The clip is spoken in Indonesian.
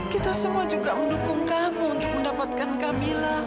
kita semua juga mendukung kamu untuk mendapatkan kamila